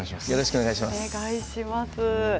よろしくお願いします。